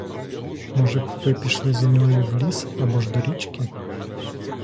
Може б, ви пішли зо мною в ліс або ж до річки?